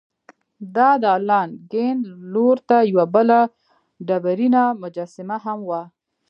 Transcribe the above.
د دالان کیڼ لور ته یوه بله ډبرینه مجسمه هم وه.